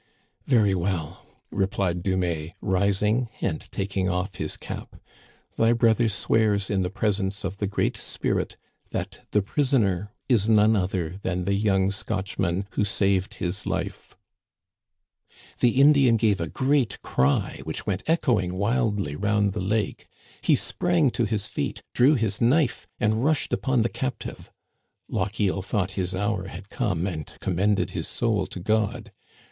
"Very well !" replied Dumais, rising and taking ofif his cap, "thy brother swears in the presence of the Great Spirit that the prisoner is none other than the young Scotchman who saved his life !" The Indian gave a great cry which went echoing wildly round the lake. He sprang to his feet, drew his knife, and rushed upon the captive. Lochiel thought his hour had come and commended his soul to God.